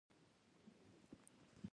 په خاوره کښې خښېدل